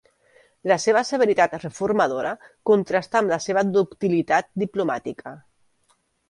La seva severitat reformadora contrasta amb la seva ductilitat diplomàtica.